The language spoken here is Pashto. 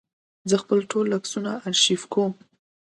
زه خپل ټول عکسونه آرشیف کوم.